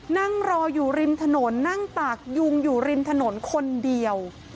นั่งรออยู่ริมถนนนั่งตากยุงอยู่ริมถนนคนเดียว